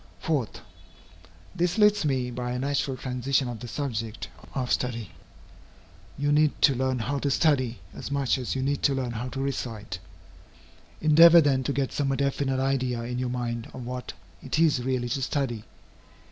4. This leads me by a natural transition to the subject of study. You need to learn how to study, as much as you need to learn how to recite. Endeavor then to get some definite idea in your mind of what it is really to study.